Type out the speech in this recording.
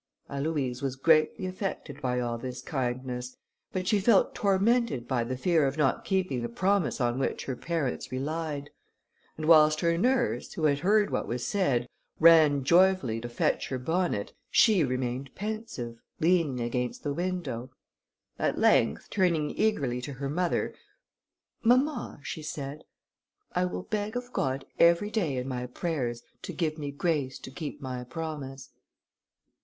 Aloïse was greatly affected by all this kindness; but she felt tormented by the fear of not keeping the promise on which her parents relied; and whilst her nurse, who had heard what was said, ran joyfully to fetch her bonnet, she remained pensive, leaning against the window. At length, turning eagerly to her mother, "Mamma," she said, "I will beg of God every day in my prayers to give me grace to keep my promise."